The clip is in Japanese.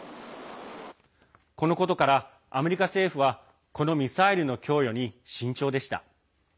このことからアメリカ政府はこのミサイルの供与に慎重でした。